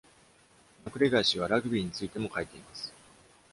マクレガー氏はラグビーについても書いています。